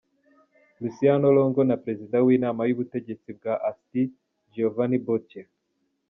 Luciano Longo na Perezida w’Inama y’ubutegetsi bwa Asti, Giovani Boccia.